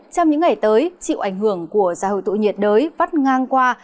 trong những ngày tới chịu ảnh hưởng của gia hội tụ nhiệt đới vắt ngang qua